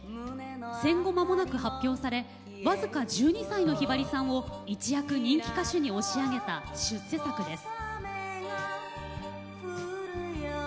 戦後まもなく発表され僅か１２歳のひばりさんを一躍、人気歌手に押し上げた出世作です。